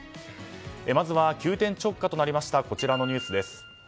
まずは急転直下となりましたこちらのニュースです。